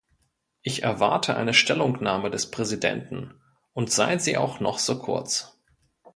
Ich erwarte eine Stellungnahme des Präsidenten, und sei sie auch noch so kurz.